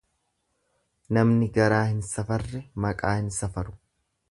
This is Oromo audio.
Namni garaa hin safarre maqaa hin safaru.